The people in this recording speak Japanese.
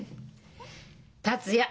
達也